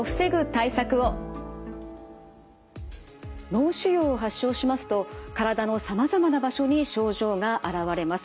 脳腫瘍を発症しますと体のさまざまな場所に症状が現れます。